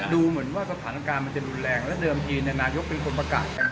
ดูเหมือนว่าสถานการณ์มันจะรุนแรงและเดิมทีนายกเป็นคนประกาศกัน